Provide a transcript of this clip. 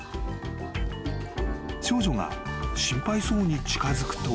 ［少女が心配そうに近づくと］